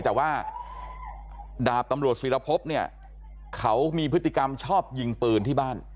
แต่ว่าดาบตำรวจศิรพบเนี่ยเขามีพฤติกรรมชอบยิงปืนที่บ้าน